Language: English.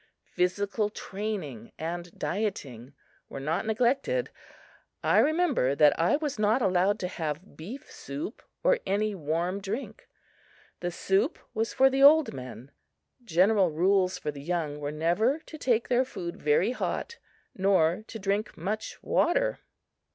Physical training and dieting were not neglected. I remember that I was not allowed to have beef soup or any warm drink. The soup was for the old men. General rules for the young were never to take their food very hot, nor to drink much water.